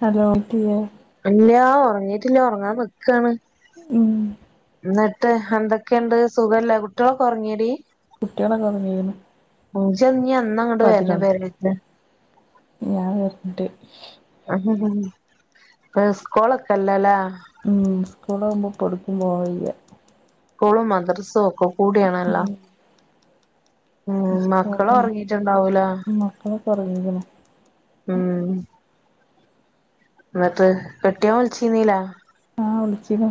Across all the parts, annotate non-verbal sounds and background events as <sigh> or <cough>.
Hello കേ ഇല്ല ഒർങ്ങീട്ടില്ല ഉറങ്ങാൻ നിക്കാണ് ഉം ഇന്നിട്ട് എന്തൊക്കെയുണ്ട് സുഖല്ലേ കുട്ടികളൊക്കെ ഒറങ്ങിയടി. കുട്ടിയാളോക്കെ ഒർങ്ങീക്ക്ണ് ഇജ്ജ് <unintelligible> എന്നാ ഇങ്ങട്ട് വർണെ പേരേക്ക് ഞാൻ വെർണ്ട് സ്കൂളൊക്കെല്ലലേ സ്കൂലാവുമ്പോ ഇപ്പൊ ഒട്ക്കും പോവലില്ല സ്കൂളും മദ്രസ്സും ഒക്കെ കൂടിയാണല്ലോ ഉം ഉം മക്കള് സ്കൂളും ഒർങ്ങീട്ടുണ്ടാവൂലേ മക്കളൊക്കെ ഉറങ്ങിക്കണ് ഉം ഇന്നട്ട് കെട്ടിയോൻ വിള്ച്ചീന്നീലേ ആഹ് വിളിചീന്നു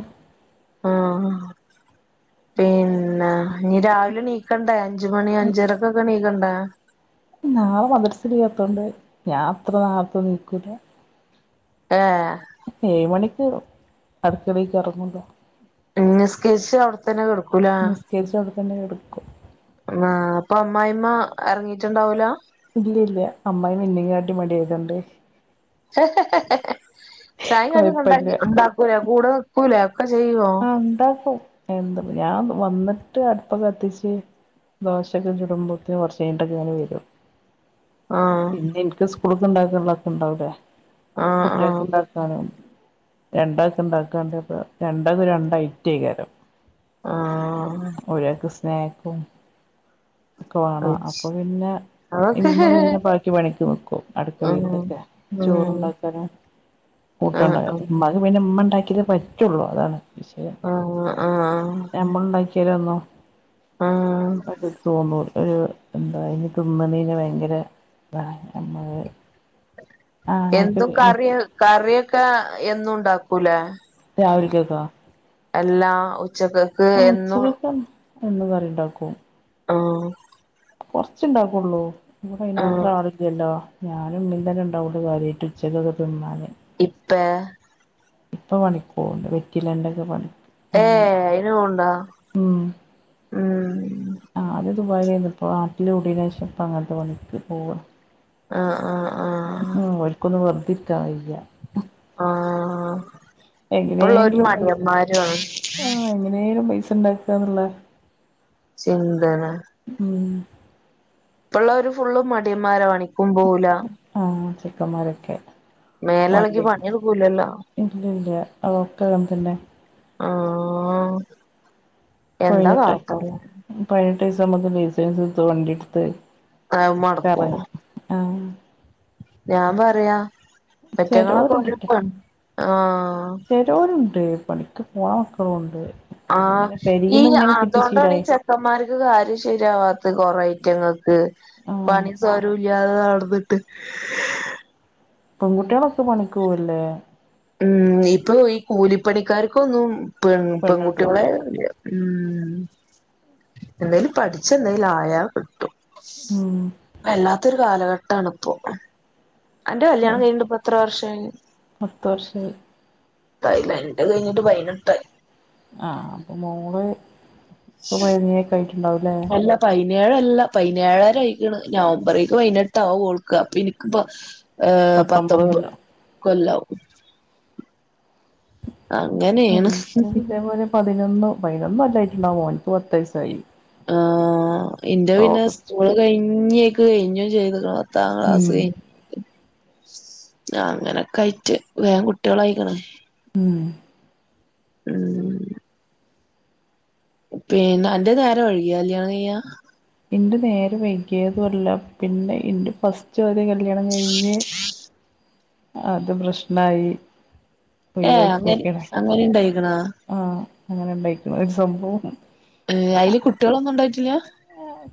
ആഹ് ആഹ് പിന്നെ ഇഞ്ഞ് രാവിലെ ണീക്കണ്ടേ. അഞ്ച് മണി അഞ്ചരക്കൊക്കെണീക്കണ്ടേ നാളെ മദ്രസ്സ് ഇല്ലാത്തോണ്ട് ഞാൻ അത്ര നേർത്തെ നീക്കൂല ഏ ഏഴ് മണിക്ക് അട്ക്കളീക്ക് എർങ്ങൂലാ ഏ നിസ്കെർച്ച് അവിടെ തന്നെ കെട്ക്കൂലെ കർച്ച് അവിടെ തന്നെ കെട്ക്കും ആഹ് അപ്പൊ അമ്മായിമ്മ എർങ്ങീട്ടുണ്ടാവൂല ഇല്ല ല്ല അമ്മായിയമ്മ എന്നേം കാട്ടിലും മടിയായതോണ്ടെ ചായേം കടിയൊന്നും കൊഴപ്പല്ല <unintelligible> ഇണ്ടാക്കൂല കൂടെ നിക്കൂലെഒക്കെ ചെയ്യോ ആഹ് ഉണ്ടാക്കും എന്ത് ഞാൻ വന്നിട്ട് അട്പ്പ് കത്തിച്ച് ദോശൊക്കെ ചുടുമ്പോത്തെ കൊർച്ചഴ്ഞ്ഞിട്ടൊക്കെ ഇങ്ങനെ വെരും ആഹ് പിന്നെ ഇൻക്ക് സ്കൂള്ക്ക്ണ്ടാക്ക്നൊക്കെ ഇണ്ടാവുലേ ആഹ് കുട്ടിയേൾക്ക് ആഹ് ഇണ്ടാക്കാനും രണ്ടാക്ക്ണ്ടാക്കാണ്ടപ്പം രൺ അത് രണ്ടയ്റ്റെകാരം ആഹ് ഒരാക്ക് സ് സ്നേക്കും ഒക്കെ വേണ അയ്ശ് അപ്പൊ പിന്നെ അതൊക്കെ ഇമ്മ പിന്നെ ബാക്കി പണിക്ക് നിക്കും ഉം അടുക്കളീത്തെക്കെ ഉം ചോറുണ്ടാക്കാനും ആഹ് കൂട്ടാണ്ടാ ആഹ് ഇമ്മാക്ക് പിന്നെ ഇമ്മണ്ടാക്കിയതേപറ്റുള്ളൂ അതാണ് വിശയം ആഹ് ആഹ് ഞമ്മള്ണ്ടാക്കിയാലൊന്നും ആഹ് പറ്റത്തി തോന്നുള്ളു ഒർ എന്താ ഇനി തിന്നതിന് ഭയ്ങ്കര ഇതാണ് നമ്മള് ആഹ് അങ്ങനത്തെ എന്തു കറി മറ്റ് കറിയൊക്കെ എന്നും ഇണ്ടാക്കൂലേ രാവിൽക്കെക്കോ അല്ലാ ഉച്ചകക്കോ ഉച്ചക <unintelligible> എന്നും കറി ഇണ്ടാക്കും ആഹ് കൊർച്ച്ണ്ടാകൊള്ളൂ <unintelligible> അയ്നാത്ര ആഹ് ആളിലല്ലോ ഞാനും ഇമ്മിം തന്നെ ഇണ്ടാകൊള്ളുകാര്യയ്ട്ട് ഉച്ചകക്ക് തിന്നാന് ഇപ്പേ ഇപ്പ പണിക്കോവ്ണ്ട്‌ വെറ്റിലേ ണ്ടൊക്കെ പണിക്ക് ഏ അങ്ങനെ അയ്ന് പോക്ണ്ടോ ഉം ആ ആദ്യ ദുബായിലാരുന്നു ഇപ്പോൾ ആട്ടിൻ്റെ കൂടിയനു ശേഷം ഇപ്പം അങ്ങനത്തെ പണിക്ക് പോവാ ആഹ് ആഹ് ആഹ് ഉം ഓൽക്കൊന്നും വെറുതെ ഇരിക്കാൻ കഴിയില്ല ആഹ് ഇപ്പള്ളൊരു മടിയന്മാരു ഓഹ് എങ്ങനേലും പൈസയിണ്ടാക്കാന്നുള്ള ചിന്തന ഉം ഇപ്പള്ളൊരു ഫുള്ള് മടിയന്മാരാ പണിക്കും പോവൂല ആഹ് ചെക്കന്മാരൊക്കെ മേലെളകി വണ്ടി പണിയെടുക്കൂലല്ലോ ഇല്ലല്ല അതൊക്കെ തം തന്നെ ആഹ് എന്താ പയിനെട്ട് കാട്ടല് പയിനെട്ട് വയസ്സാവുമ്പോ തന്നെ ലൈസൻസെത്തു വണ്ടിടുത്ത് ആ മൊടക്കും ആഹ് ഞാൻ പറയാ പെറ്റങ്ങളൊക്കെ ചെലോരുണ്ട്ട്ടോ ഉഴപ്പാണ് ആഹ് റ്റോരുണ്ട് പണിക്ക് പോണ മക്കളുണ്ട് ആ ഇങ്ങനെ ഈ പെരീന്ന് ഇങ്ങനെ കിട്ടി അതോണ്ടാണ് ശീലായി ചെക്കൻമാര്ക്ക് കാര്യം ശരിയാവാത്ത കൊറേ ഐറ്റങ്ങൾക്ക് ആഹ് പണി സ്വരും ഇല്ലാത നടന്നിട്ട് പൊങ്കുട്ടികളൊക്കെ പണിക്ക് പോവല്ലേ ഉം ഇപ്പൊ ഈ കൂലിപ്പണിക്കാർക്കൊന്നും പെൺ പെണ്ണ് കിട്ടൂല പെൺകുട്ടികള് ഉം എന്തേലും പഠിച്ച എന്തായലും ആയാൽ കിട്ടു ഉം വല്ലാത്തൊരു കാലഘട്ടണപ്പോ അന്റെ കല്യാണം കഴിഞ്ഞ ഇപ്പ എത്ര വർഷമായി പത്ത വർഷയി തയില്ലേ ഇന്റെ കഴിഞ്ഞിട്ട് പയനട്ടായി ആ അപ്പം മോള് ഇപ്പം വൈനീക്കെ ആയിട്ടുണ്ടാവുംല്ലേ അല്ല പതിനേഴല്ല പതിനേഴരയിക്കണ് നവംബറേക്ക് പൈതിനെട്ട്വാ കൊൾക്കുക അപ്പൊ എനിക്കിപ്പ ഏഹ് പത്തൊമ്പത് പത്തൊമ്പ് കൊല്ലം കൊല്ലാവും അങ്ങനെ എനിക്ക് ഇതേപോലെ പതിനൊന്ന് പതിനൊന്ന് നല്ലായിട്ടുണ്ടാവുമോ മോനിക്ക് പത്ത് വയസായി ആ ഇന്റെ പിന്നെ ഓഗസ്റ്റ് സ്കൂള് കഴിഞ്ഞേക്ക് കഴിഞ്ഞും ചെയ്ത താങ്കളാസ ഉം അങ്ങനെയൊക്കെ കയിട്ട് വേൻ കുട്ടികളയിക്കണ ഉം ഉം പിന്നെ എന്റെ നേരെം വഴികിയ കല്യാണം കഴ്യ എറെ നേരെ വൈകിയതുമല്ല പിന്നെ എൻറെ ഫസ്റ്റ് വതി കല്യാണം കഴിഞ്ഞ് അത് പ്രശ്നായി ഏഹ് അങ്ങെ ഒഴിവാക്കിയൊക്കെയാണ് അങ്ങനെണ്ടായിരിക്കണ ആഹ് അങ്ങനെണ്ടായിരിക്കും ഒരു സംബവം ഏഹ് അയ്ല് കുട്ടിയളൊന്നും ഉണ്ടായിട്ടില്ല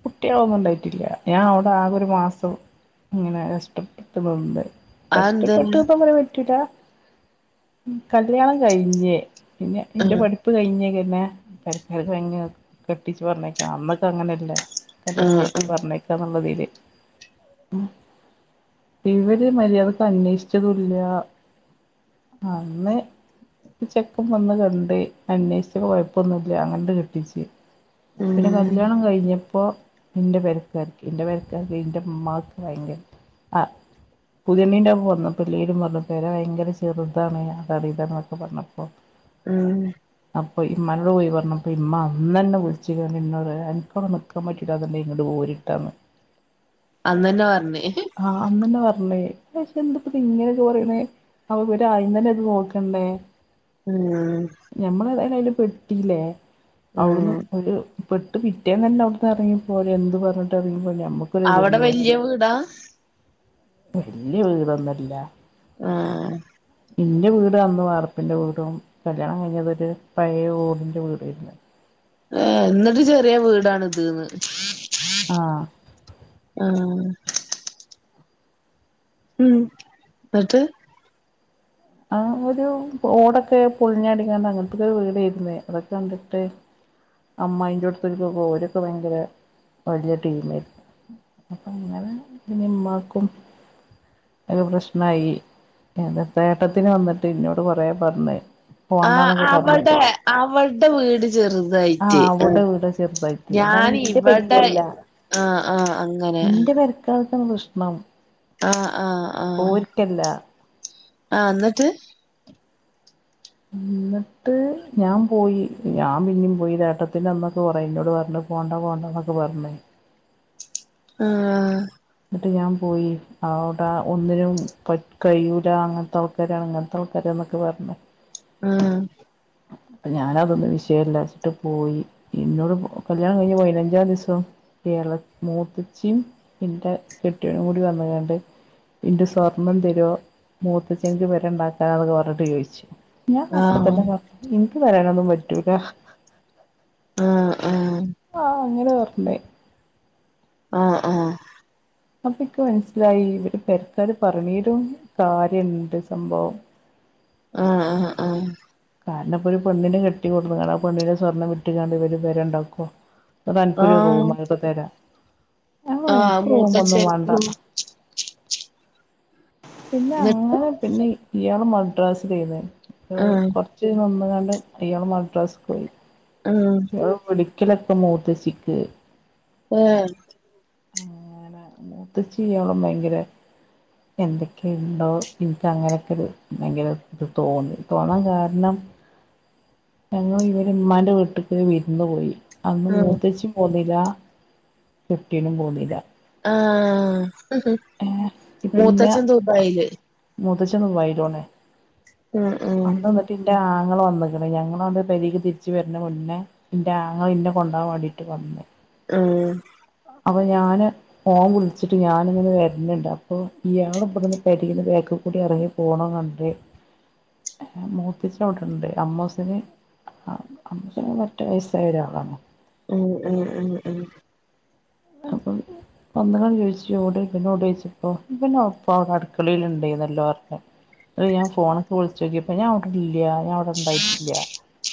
കുട്ടികളൊന്നും ഉണ്ടായിട്ടില്ല ഞാൻ അവിടെ ആകെ ഒരു മാസം ഇങ്ങനെ കഷ്ടപ്പെട് നിന്ന് കഷ്ടപ്പെട്ട അതെന്താണ് ഇപ്പ പറ പറ്റൂല കല്യാണം കഴിഞ്ഞേ പിന്നെ എൻ്റെ ആഹ് പഠിപ്പ് ഉപ്പ് കഴിഞ്ഞക്ക തന്നെ പരക്കര കഴി കെട്ടിച്ച് പറഞ്ഞേക്കാം അന്നൊക്കെ അങ്ങനെയല്ലേ കല്യാണം ആഹ് കഴിച്ച് ആഹ് പറഞ്ഞേക്കാന്നുള്ളതില് ഉം ഇവര് മര്യാദക്ക് അന്വേഷിച്ചതുല്ല അന്നേ ചെക് ഇപ്പം വന്ന് കണ്ട് അന്വേഷിച്ചപ്പൊ കൊയപ്പൊന്നുല്ല അങ്ങണ്ട് കെട്ടിച്ച് പിന്നെ ഉം കല്യാണം കഴിഞ്ഞ് പ്പോ എൻ്റെ പെരക്കാർക്ക് എൻ്റെ പെരക്കാർക്കെൻ്റെമ്മാക്ക് ഭയങ്കര ആ പുതിയെണ്ണീൻ്റെങ്ങ് വന്ന് <unintelligible> വന്ന് പെര വയങ്കര ചെറുതാണ് അറീക്കാന്ന്റഞ്ഞപ്പൊ പറഞ്ഞപ്പോ ഉം അപ്പോ ഇമ്മനോട് പോയി പറഞ്ഞപ്പോ ഇമ്മ അന്നന്നെ വിളിച്ച് എന്നോടറയ എനക്കവ്ട നിക്കാൻ പറ്റില്ല അതല്ലെ ഇങ്ങട്ട് പോര് <unintelligible> അന്നന്നെ പറഞ്ഞ് ആഹ് അന്നന്നെ പറഞ്ഞേ പക്ഷെ എന്പ്പ ഇങ്ങനെയൊക്കെ പറയണേ പ്പവഇവര് ആയംതന്നെത് നോക്കണ്ടേ ഉം ഞമ്മളേതായാലും അയാല് പെട്ടില്ലേ അവിടുന്ന് ഉം ഒരു പെട്ട് പിറ്റേന്നന്നവിടടുന്ന്റിയ പോലെ എന്ത് പറഞ്ഞിട്ട്റിയ്പ പോലെമ്ക്ക് അവിടെ ക്കൊരിതില്യ വല്യ വീടാ വല്യ വീടൊന്നല്ല ആഹ് ഇന്റെ വീട് അന്ന് വാർപ്പിന്റെ കൂ ടൊവും കല്യാണം കഴിഞ്ഞതൊര് പഴേ ഓടിൻ്റെ വീടാരുന്നു ഏ ന്നിട്ട് ചെറിയ വീടാണ് ഇത് ന്ന് ആഹ് ഉം ഉം ന്ന്ട്ട് ആ ഒരു ഓടൊക്കെ പൊളിഞ്ഞടിക്കാണ്ട് അങ്ങനത്തക്കെരു വീടേര്ന്നേ അതൊക്കണ്ടിട്ട് അമ്മായിന്റോട്തോൽക്ക് ഓരൊക്കെ ഭയങ്കര വല്ല്യ ടീമേനി അപ്പങ്ങനെ പിന്നിമ്മാക്കും അയിന് പ്രശ്നായി എന്താപ്പേട്ടത്തിന് വന്നിട്ട് ഇന്നോട് കൊറേ പറഞ്ഞ് ആഹ് പോണ്ടാന്നൊക്കെ അവടെ പറഞ്ഞിട്ട് അവൾടെ വീട് ആ ചെറുതായിറ്റ് അവിടെ വീടാ ചെറുതായിട്ട് അല്ലാതെ ഇന്റെ ഞാനിവടെ പെരേലല്ല ആഹ് ആഹ് അങ്ങനെ ക്കാലതാണ് പ്രശ്‌ണം ആഹ് ആഹ് ആഹ് ട്ടില്ലാ ആ ന്നറ്റ് ഇന്നട്ട് ഞാൻ പോയി ഞാൻ പിന്നിം പോയി ത് ഏട്ടത്തിന്റമ്മക്കെ കൊറേന്നോട് പറഞ്ഞു പോണ്ട പോണ്ടന്നൊക്കെ പർണ് ആഹ് ന്നിട്ട് ഞാൻ പോയി അവുടെ ഒന്നിനും പറ്റ് കയ്യൂല അങ്ങൻത്തെ <unintelligible> ഇങ്ങൻത്താൾക്കാരാന്നൊക്കെ പറഞ്ഞു ആഹ് അപ്പ ഞാനതൊന്നും വിഷയല്ലാച്ചിട്ട് പോയി ഇന്നോട് കല്യാണം കയ്ഞ്ഞ് പയ്നഞ്ചാം ദിവസം എള മൂത്തച്ചിം ഇന്റെ കെട്ടിയൊനും കൂടി വന്ന്കാണ്ട് ഇന്റെ സ്വർണ്ണം തെരോ മൂത്തച്ഛീന്ക്ക് പെരണ്ടാക്കാനാന്നൊക്കെ പറഞ്ഞിട്ട് ചോയ്ച്ച് ഞാനപ്പത്തന്നെ ആഹ് പറഞ്ഞ് ഇൻക്ക് തരാനൊന്നും പറ്റൂല ആഹ് ആഹ് ആഹ് അങ്ങനെ പർഞ് ആഹ് ആഹ് അപ്പ ഇക്ക് മനസ്സിലായി ഇവര് പെരക്കാര് പറണീലും കാര്യണ്ട് സംഭവം ആഹ് ആഹ് ആഹ് കാരണം ഇപ്പോരു പെണ്ണിനെ കെട്ടി കൊട്ന്ന്കാണ്ട് ആ പെണ്ണിന്റെ സ്വർണ്ണം വിറ്റ്കാണ്ട് ഇവര് പെരെണ്ടാക്കൊ താ അൻക്കൊരു ആഹ് റൂമാപ്പ തരാ ഞാൻ പറഞ്ഞ് ആഹ് ഇൻക്ക് റൂമൊന്നും മൂത്തച്ഛൻ വാണ്ട എന്നിട്ട് പിന്നങ്ങനെ പിന്നെ ഇയാള് മഡ്രാസിലേന്ന് ആഹ് കൊ ച്ച് നിന്ന്കാണ്ട് ഇയാള് മഡ്രാസ്ക്കോയി ആ അതും വെളിക്കലൊക്കെ മൂത്തച്ചിക്ക് ഏ ആ അങ്ങനെ മൂത്തച്ചി ഇയാളും ഭയങ്കരെ എന്തൊക്കെണ്ടോ ഇൻക്കങ്ങനെക്കെരു ഭയങ്കരത് തോന്നി തോന്നാൻ കാരണം എന്നോ ഇവല് ഇമ്മാന്റെ വീട്ട്ക്ക് വിരുന്നു പോയി അന്ന് ആഹ് മൂത്തച്ചിം പോന്നില്ല ട്ട്യോനും പോന്നീല്ല ആ മൂത്തച്ഛൻ ദുബായില് മൂത്തച്ഛൻ ദുബായിലാണ് ഉം ഉം അന്ന് ന്ന പ്പിന്റെ ആങ്ങള വന്ന്ക്ണ് ഞങ്ങളണ്ട് പെരേക്ക് തിരിച്ച് വെര്ണ മുന്നേ ഇന്റെ ആങ്ങള ഇന്നെ കൊണ്ടവാ വാണ്ടിട്ട് വന്ന് ആ അപ്പൊ ഞാന് ഓൻ വിളിച്ചിട്ട് ഞാനിങ്ങനെ വെ ല്ല ല്ല അപ്പോ ഇയാള് ഇബട്ന്ന് പെരേന്ന് ബേക്ക്ക്കൂടെ എറങ്ങി പോണോം കണ്ട് മൂത്തച്ചി അവിടെണ്ട് അമ്മോസന് ആ അ അമ്മോസന് പറ്റ വയസായൊരാളാണ് ഉം ഉം ഉം ഉം അപ്പം വന്ന്ക്കാണ്ട് ചോയ്ച്ച് ഓടെ ഇവനോടെ ചോയ്ച്ചപ്പം ഇവനപ്പവടെ അടുക്കളേല്ണ്ടേന്നല്ലോ ർഞ്ഞ് പ്പൊ ഞാൻ ഫോണ്ക്ക് വിളിച്ചോക്ക്യപ്പോ ഞാവടെല്യ ഞാവ ടെ ണ്ടായിട്ടില്യ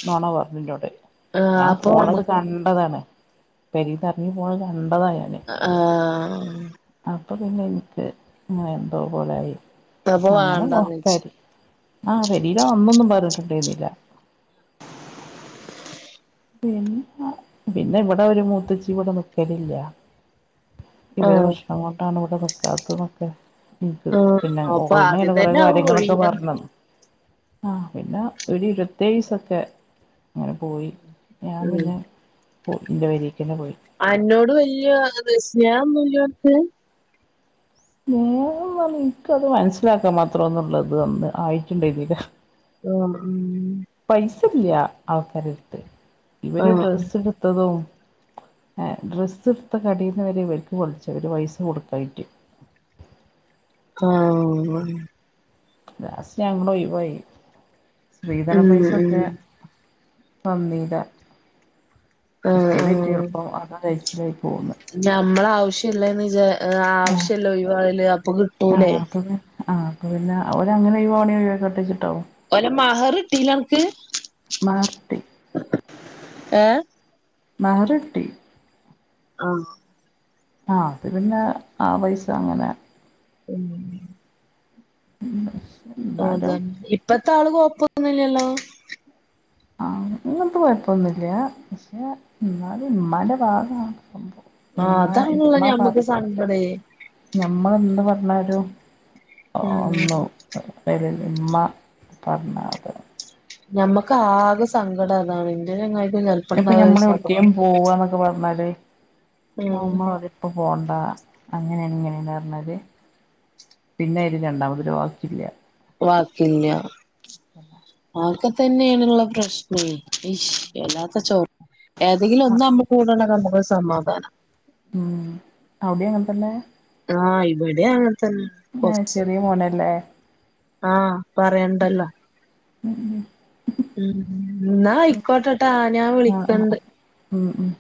നൊണ പർഞ്ഞുന്നോട് ആഹ് ഞാൻ അപ്പൊ പോണത് നമ്മ കണ്ടതാണ് പെരേന്നെറങ്ങി പോണത് കണ്ടതാ ഞാന് അ ആ ആ അപ്പം പിന്നെ ൻക്ക് ങ്ങനെ എന്തോ പോലായി അപ്പൊ അങ്ങനെ ഒ വേണ്ടാന്ന് വെച്ച് പെരി ആ പെരേലന്നൊന്നും പറഞ്ട്ട്ണ്ടേര്ന്നില്ല പിന്ന പിന്നെ ഇവിടൊരു മൂത്തച്ചി ഇവടെ നിക്കലില്ല ഇവരെ ആഹ് പ്രശ്നം കൊണ്ടാണ് ഇവടെ നിക്കാത്തെന്നൊക്കെ ൻക്ക് ആഹ് പിന്നെ അപ്പൊ ഓളെന്നേണ് ആദ്യം കൊറെ തന്നെ അവൻ കാര്യങ്ങളൊക്കെ ഒഴിയണം പർഞ്ഞെന്നത് ആ പിന്നെ ഒരു ഇരുപത്തേഴീസൊക്കെ ങ്ങനെ പോയി ഞാൻ ഉം പിന്നെ പോ ന്റെ പെരീക്കെന്നെ പോയി അന്നോട് വെല്യ ത് സ്നേഹൊന്നില്ലോൻക്ക് സ്നേഹം പർഞ ഇൻക്കത് മനസ്സിലാക്കാൻ മാത്രംന്നുള്ളതന്ന് ആയിട്ടിണ്ടേര്ന്നീല ആ ഉം പൈസല്ല ആൾക്കാരെട്ത്ത് ഇവര് ആഹ് ഡ്രസ് ട് ത്തതും ഡ്രസ്സ്ട്ത്ത കടേന്ന് വെരെ ഇവർക്ക് വിളിച്ച് ഇവര് പൈസ കൊടുക്കായിറ്റ് ആ ലാസ്റ്റ് ഞങ്ങള് ഒയ് വായി സ്ത്രീധന ഉം പൈസൊക്കെ ഉം തന്നീല ആഹ് കിട്ടിയത് കിട്ടി എളുപ്പം അത് കയ്ച്ചിലായി പോന്ന് ഞമ്മളെ ആവശ്യല്ലേന്ന് ചാ ആഹ് ആവശ്യല്ലൊയ്വാവല് അപ്പൊ കിട്ടൂലേ ആ അപ്പ പിന്നെ ഓരങ്ങനെ ഒയ്വാണെ ഒയ്വായ്ക്കോട്ടെ വിചാരിച്ചിട്ടാവും ഓലെ മഹർ ട്ടീലേ അൻക്ക് മഹർ കിട്ടി ഏ മഹർ ട്ടി ആ ആ അത് പിന്നെ ആ പൈസങ്ങനെ ഉം എന്നാലും അതെന്നെ ഇപ്പത്താള് കൊയപ്പൊന്നുല്ലല്ലോ ആ ഇങ്ങൻത്തെ കൊഴപ്പൊന്നുല്യ. പക്ഷെ എന്നാലും ഇമ്മാന്റെ ഭാഗോർക്കുമ്പോ ആഹ് അതാണലോ ഞമ്മക്ക് സങ്കടേയ് ഞമ്മളെന്ന് പർഞ്ഞാരു ആ ഉം ഒന്നു അ <unintelligible> മ്മ പർഞ്ഞാ അത് ഞമ്മക്കാകെ സങ്കടം അതാണ്. ഇന്റെ ചെങ്ങായിക്കും ചെൽ അത്പ്പൊ ഞമ്മളൊവ്ട്ക്കേം പോവന്നൊക്കെ പറഞ്ഞാല് പ്പ ഉം മ്മ പറ്യും പ്പ പോണ്ട അങ്ങനേണ് ഇങ്ങനേണ് പർഞാല് പിന്നെ അയ്ല് രണ്ടാമതൊരു വാക്കില്യ വാക്കില്യ ആക്കെത്തെന്നെണ്ള്ള പ്രശ്നേ ഷ് വല്ലാത്ത ചൊ ഏതെങ്കിലൊന്ന് നമ്മളെ കൂടണ്ടെങ്കി ഞമ്മക്കൊര് സമാധാന ഉം ഔടിം അങ്ങൻത്തന്നെ ആഹ് ഇബടിം അങ്ങൻതന്നെ ആഹ് കൊറച്ച് ചെറിയ മോനല്ലേ ആഹ് പറയണ്ടല്ലോ ഉം ഉം ഉം.. ന്നാ അയ്ക്കോട്ടെട്ടാ ആ ഞാൻ ആഹ് ആഹ് വിളിക്കണ്ട് ഉം ഉം